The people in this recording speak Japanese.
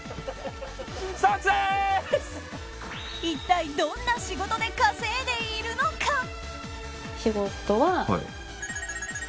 一体どんな仕事で稼いでいるのか。